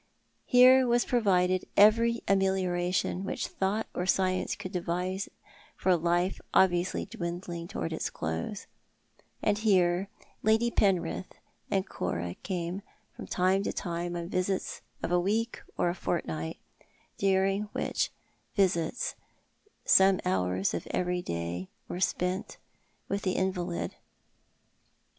Here was provided every amelioration which thought or science could devise for a life obvioiisly dwindling towards its close ; and here Lady Penrith and Cora came from time to time on visits of a week or a fortniglit, during which visits some hours of every day were spent with the invalid.